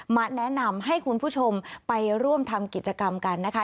มาแนะนำให้คุณผู้ชมไปร่วมทำกิจกรรมกันนะคะ